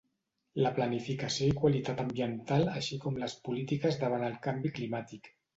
La planificació i qualitat ambiental així com les polítiques davant el canvi climàtic.